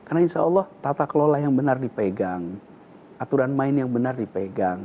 syukuri karena insyaallah tata kelola yang benar dipegang aturan main yang benar dipegang